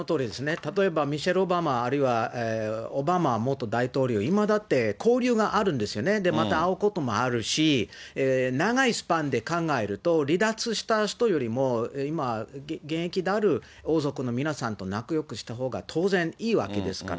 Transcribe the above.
例えばミシェル・オバマ、あるいはオバマ元大統領、今だって交流があるんですよね、会うこともあるし、長いスパンで考えると、離脱した人よりも、今現役である王族の皆さんと仲よくしたほうが当然いいわけですから。